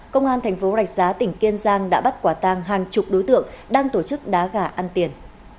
công an thành phố rạch giá tỉnh kiên giang đã bắt quả tang hàng chục đối tượng đang tổ chức đá gà ăn tiền